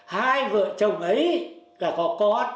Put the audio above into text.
hai vợ chồng ấy đã có con